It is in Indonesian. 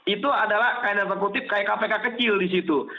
itu adalah kainan terkutip kayak kpk kecil di situ